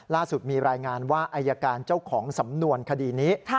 ล่าสุดมีรายงานว่าอายการเจ้าของสำนวนคดีนี้